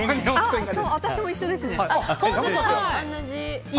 私も一緒です。